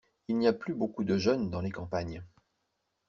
Il n’y a plus beaucoup de jeunes dans les campagnes.